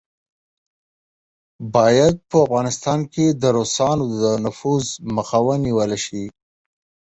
باید په افغانستان کې د روسانو د نفوذ مخه ونیوله شي.